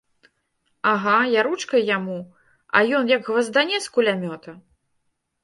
Ага, я ручкай яму, а ён як гваздане з кулямёта!